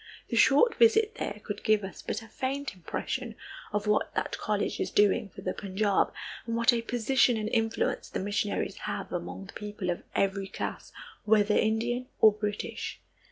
The short visit there could give us but a faint impression of what that college is doing for the Punjab and what a position and influence the missionaries have among the people of every class, whether Indian or British.